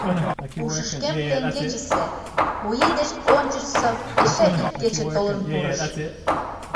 Ушышкем теҥгечысе, У ий деч ончычсо эше ик кече толын пурыш.